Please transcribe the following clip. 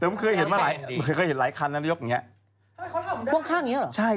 เอ็กเมื่อกี้เคยเห็นมาหลายมีเคยเห็นหลายคันนี่ยกแล้ว